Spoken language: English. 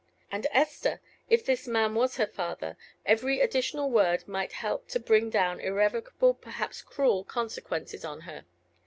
And Esther if this man was her father, every additional word might help to bring down irrevocable, perhaps cruel consequences on her.